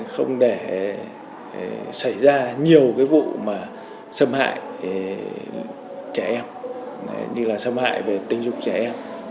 không để xảy ra nhiều vụ xâm hại trẻ em như xâm hại về tình dục trẻ em